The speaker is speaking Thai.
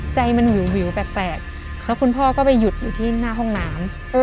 ใจมันวิวแปลกแล้วคุณพ่อก็ไปหยุดอยู่ที่หน้าห้องน้ำ